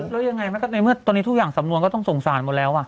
แล้วยังไงในเมื่อตอนนี้ทุกอย่างสำนวนก็ต้องส่งสารหมดแล้ว